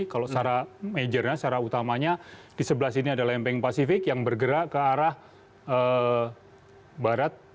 kalau secara majornya secara utamanya di sebelah sini ada lempeng pasifik yang bergerak ke arah barat